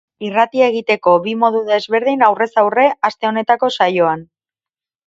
Irratia egiteko bi modu desberdin aurrez aurre aste honetako saioan.